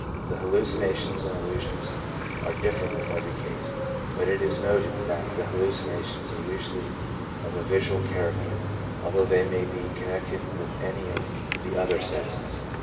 The hallucinations and illusions are different with every case, but it is noted that the hallucinations are usually of a visual character, although they may be connected with any of the other senses.